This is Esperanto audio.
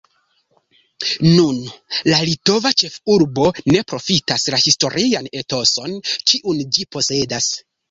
Nun la litova ĉefurbo ne profitas la historian etoson, kiun ĝi posedas.